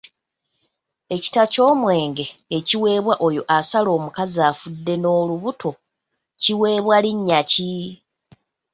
Ekita ky'omwenge ekiweebwa oyo asala omukazi afudde n'olubuto, kiweebwa linnya ki?